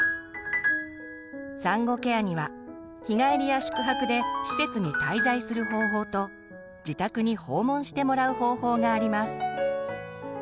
産後ケアには日帰りや宿泊で施設に滞在する方法と自宅に訪問してもらう方法があります。